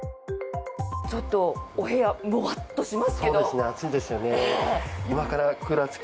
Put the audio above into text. ちょっとお部屋モワッとしますけど。